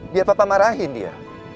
biar papa marahin dia